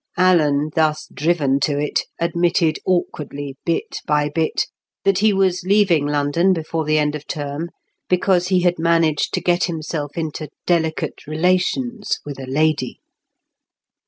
Alan, thus driven to it, admitted awkwardly bit by bit that he was leaving London before the end of term because he had managed to get himself into delicate relations with a lady.